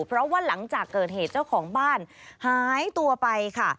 เพราะว่าหลังจากเกิดเหตุเจ้าของบ้านหายตัวไปค่ะ